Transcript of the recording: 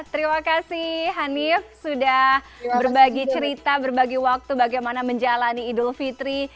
terima kasih hanif sudah berbagi cerita berbagi waktu bagaimana menjalani idul fitri